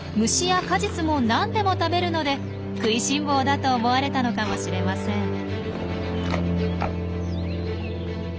虫や果実も何でも食べるので食いしん坊だと思われたのかもしれません。